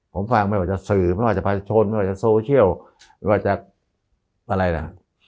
ผมฟังไม่ว่าจะสื่อไม่ว่าจะประชาชนไม่ว่าจะโซเชียลไม่ว่าจะอะไรล่ะ